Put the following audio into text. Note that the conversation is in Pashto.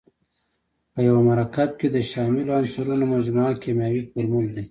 په یوه مرکب کې د شاملو عنصرونو مجموعه کیمیاوي فورمول دی.